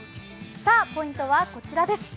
ポイントは、こちらです。